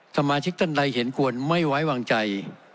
สมาชิกท่านใดเห็นควรไม่ไว้วางใจ